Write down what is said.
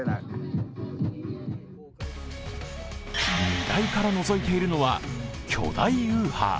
荷台からのぞいているのは巨大ウーハー。